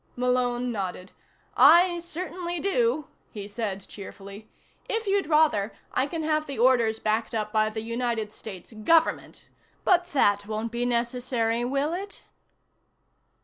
Malone nodded. "I certainly do," he said cheerfully. "If you'd rather, I can have the orders backed up by the United States Government. But that won't be necessary, will it?"